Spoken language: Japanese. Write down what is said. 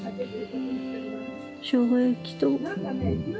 しょうが焼きと。